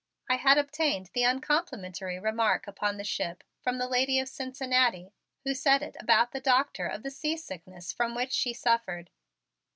I had obtained the uncomplimentary remark upon the ship, from the lady of Cincinnati, who said it about the doctor of the seasickness from which she suffered.